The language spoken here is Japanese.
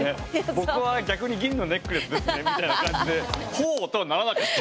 僕は逆に「銀のネックレス」ですねみたいな感じでならなかった。